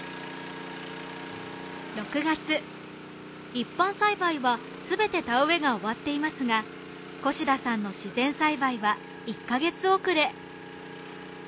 一般栽培は全て田植えが終わっていますが越田さんの自然栽培は１カ月遅れ。